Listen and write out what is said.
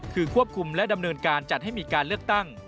คือควบคุมและดำเนินการจัดให้มีการเลือกตั้ง